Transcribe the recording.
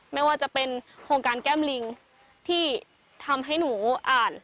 ไม่ว่าจะเป็นโครงการแก้มลิงที่ทำให้หนูอ่าน